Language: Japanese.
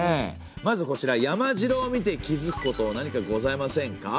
まずこちら山城を見て気づくこと何かございませんか？